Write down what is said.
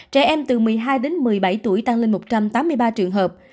trẻ em từ một mươi hai đến một mươi bảy tuổi tăng lên một trăm tám mươi ba trường hợp